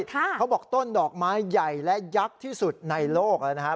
เขาบอกต้นดอกไม้ใหญ่และยักษ์ที่สุดในโลกแล้วนะฮะ